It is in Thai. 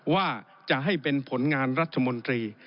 ว่าจะให้เป็นผลงานรัฐมนตรี